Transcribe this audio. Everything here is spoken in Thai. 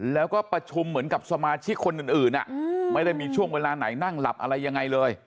แล้วก็ประชุมเหมือนกับสมาชิกคนอื่นไม่ได้มีช่วงเวลาไหนนั่งหลับอะไรยังไงเลย